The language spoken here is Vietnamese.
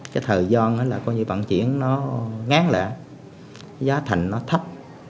cái thời gian đó là coi như vận chuyển nó ngán lẻ giá thành nó thấp